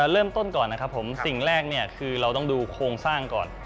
เริ่มต้นก่อนนะครับผมสิ่งแรกเนี่ยคือเราต้องดูโครงสร้างก่อน